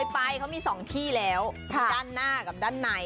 ไปเขามี๒ที่แล้วด้านหน้ากับด้านใน